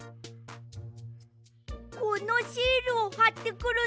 このシールをはってくるんだ。